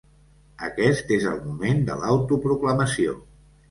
Aquest és el moment de l’autoproclamació.